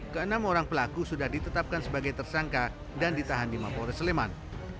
keenam orang pelaku sudah ditetapkan sebagai tersangka dan ditahan di mapores sleman